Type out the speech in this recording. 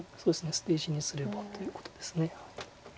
捨て石にすればということです。